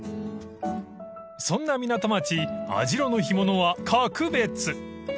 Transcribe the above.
［そんな港町網代の干物は格別］